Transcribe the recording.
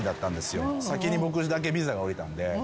先に僕だけビザが下りたんで。